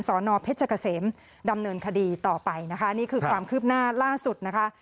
นเพชรเกษมดำเนินคดีต่อไปนะคะนี่คือความคืบหน้าล่าสุดนะคะ